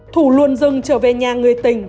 thủ luôn dừng trở về nhà người tình